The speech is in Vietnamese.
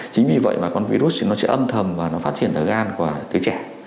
chính vì vậy mà con virus nó sẽ âm thầm và nó phát triển ở gan của trẻ trẻ